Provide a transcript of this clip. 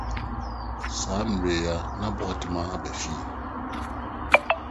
Saa bere yi ara na Boatemaa aba fie.